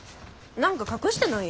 何か隠してない？